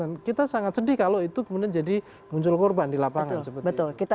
dan kita sangat sedih kalau itu kemudian jadi muncul korban di lapangan seperti itu